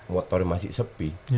motornya masih sepi